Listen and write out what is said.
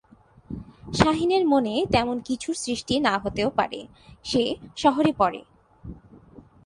শাহীনের মনে তেমন কিছুর সৃষ্টি না হতেও পারে; সে শহরে পড়ে।